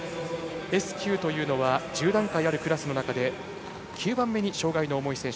Ｓ９というのは１０段階あるクラスの中で９番目に障がいの重い選手。